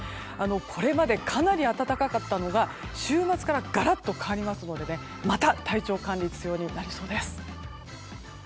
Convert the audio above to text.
これまで、かなり暖かかったのが週末からガラッと変わりますのでまた体調管理が必要になりそうです。